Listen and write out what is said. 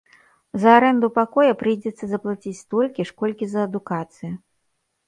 За арэнду пакоя прыйдзецца заплаціць столькі ж, колькі за адукацыю.